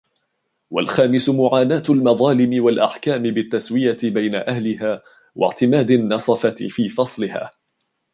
وَالْخَامِسُ مُعَانَاةُ الْمَظَالِمِ وَالْأَحْكَامِ بِالتَّسْوِيَةِ بَيْنَ أَهْلِهَا وَاعْتِمَادِ النَّصَفَةِ فِي فَصْلِهَا